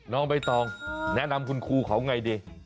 น้องใบตองแนะนำคุณครูเขาไงดี